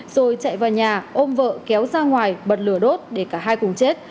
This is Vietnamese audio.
rồi chạy vào nhà ôm vợ kéo ra ngoài bật lửa đốt để cả hai cùng chết